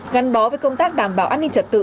gắn bó với công tác đảm bảo an ninh trật tự